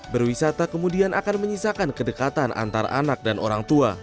berwisata kemudian akan menyisakan kedekatan antar anak dan orang tua